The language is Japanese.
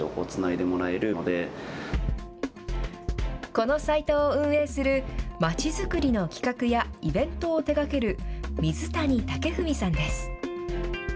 このサイトを運営するまちづくりの企画やイベントを手がける水谷岳史さんです。